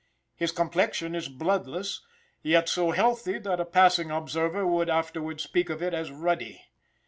His complexion is bloodless, yet so healthy that a passing observer would afterward speak of it as ruddy.